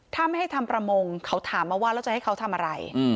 ถ้าไม่ให้ทำประมงเขาถามมาว่าแล้วจะให้เขาทำอะไร